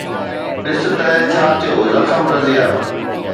ڏس ته ڇا ٿيو زخم، رضيه